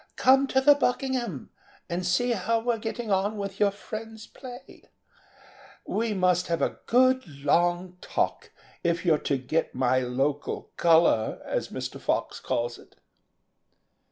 "Come to the Buckingham and see how we're getting on with your friend's play. We must have a good long talk if you're to get my local colour, as Mr. Fox calls it."